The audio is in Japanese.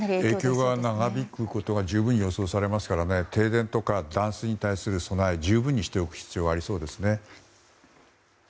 影響が長引くことが十分予想されますから停電とか断水に対する備えを十分にしておく必要がありそうです。